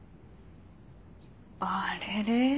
あれれ？